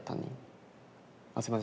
あすいません。